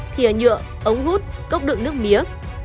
thìa nhựa ống hút cốc đựng nước mía